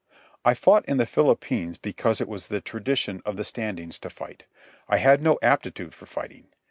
I fought in the Philippines because it was the tradition of the Standings to fight. I had no aptitude for fighting.